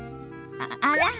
あら？